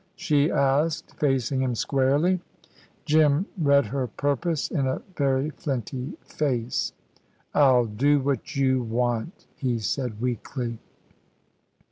she asked, facing him squarely. Jim read her purpose in a very flinty face. "I'll do what you want," he said weakly.